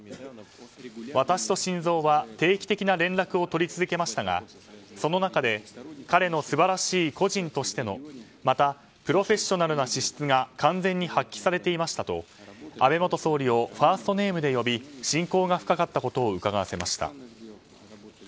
私と晋三は定期的な連絡を取り続けましたがその中で彼の素晴らしい個人としてのまたプロフェッショナルな資質が完全に発揮されていましたと安倍元総理をファーストネームで呼び親交が深かったことをうかがわせました。